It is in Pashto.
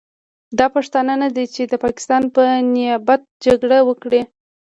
دا پښتانه نه دي چې د پاکستان په نیابت جګړه وکړي.